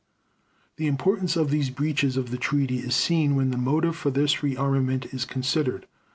The importance of these breaches of the Treaty is seen when the motive for this rearmament is considered.